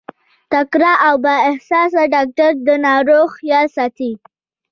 تکړه او با احساسه ډاکټر د ناروغ خيال ساتي.